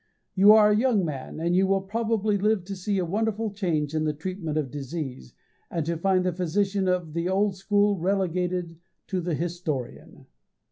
You are a young man, and you will probably live to see a wonderful change in the treatment of disease, and to find the physician of the old school relegated to the historian.